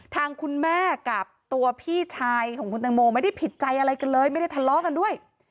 ทางคุณแม่กับตัวพี่ชายของคุณตังโมไม่ได้ผิดใจอะไรกันเลยไม่ได้ทะเลาะกันด้วย